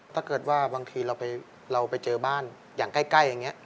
ถ้าเกิดว่าบางทีเราไปเจอบ้านอย่างใกล้อย่างนี้